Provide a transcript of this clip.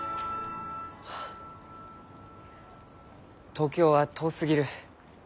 東京は遠すぎる。